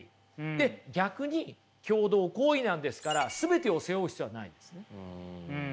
で逆に共同行為なんですから全てを背負う必要はないですねということなんですよ。